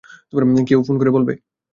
কেউ ফোন করে বলবে?